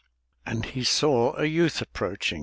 And he saw a youth approaching.